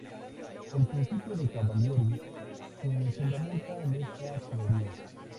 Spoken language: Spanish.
El Principio de Cavalieri se fundamenta en esta teoría.